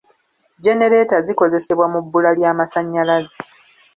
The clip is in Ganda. Genereeta zikozesebwa mu bbula ly'amasannyalaze.